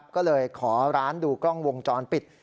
ก็เลยขอร้านดูกล้องวงจรปิด